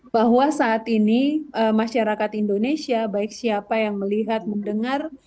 bahwa saat ini masyarakat indonesia baik siapa yang melihat mendengar